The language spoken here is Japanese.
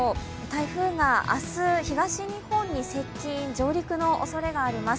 台風が明日、東日本に接近・上陸のおそれがあります。